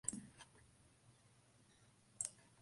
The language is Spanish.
Es de hábitos diurnos.